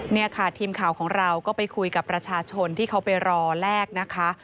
นี่ค่ะทีมข่าวของเราก็ไปคุยกับประชาชนที่เขาไปรอแลกนะคะ